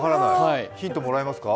ヒントもらいますか？